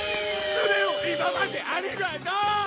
スネ夫今までありがとう！